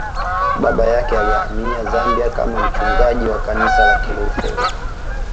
Baba yake alihamia Zambia kama mchungaji wa kanisa la Kilutheri